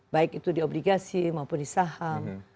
baik itu di obligasi maupun di saham